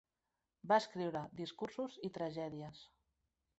Va escriure discursos i tragèdies.